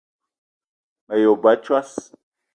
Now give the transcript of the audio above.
Me yi wa ba a tsoss!